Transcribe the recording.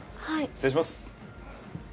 失礼します。